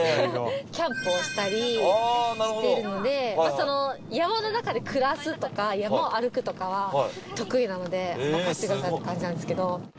その山の中で暮らすとか山を歩くとかは得意なので任せてくださいって感じなんですけど。